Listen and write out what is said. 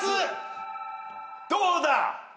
どうだ？